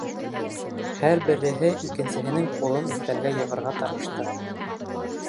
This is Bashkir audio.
Һәр береһе икенсеһенең ҡулын өҫтәлгә йығырға тырышты.